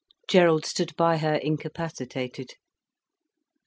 Gerald stood by her, incapacitated.